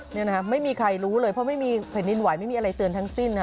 นี่นะฮะไม่มีใครรู้เลยเพราะไม่มีแผ่นดินไหวไม่มีอะไรเตือนทั้งสิ้นนะ